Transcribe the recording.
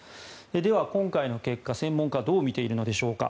では、今回の結果を専門家はどう見ているのでしょうか。